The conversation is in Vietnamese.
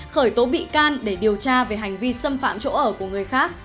khởi tố bị can để điều tra về hành vi xâm phạm chỗ ở của người khác